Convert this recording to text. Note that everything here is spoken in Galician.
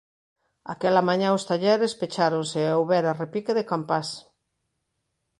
Aquela mañá os talleres pecháronse e houbera repique de campás.